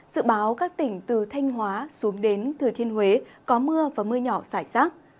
dự báo các tỉnh từ thanh hóa xuống đến thừa thiên huế có mưa và mưa nhỏ xảy rác